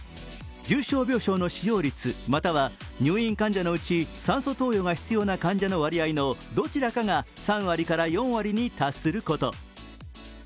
重症病床の使用率または入院患者のうち酸素投与が必要な患者のどちらかが３割から４割に達すること。